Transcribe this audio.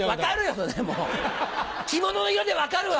それもう着物の色で分かるわ！